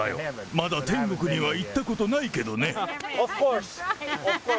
まだ天国には行ったことないけどね。